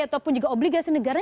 ataupun juga obligasi negara